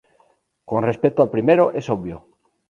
Con respecto al primero, es obvio.